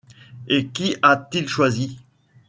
Et qui a-t-il choisi ?…